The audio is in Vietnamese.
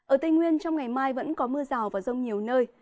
ở tây nguyên trong ngày mai vẫn có mưa rào và rông nhiều nơi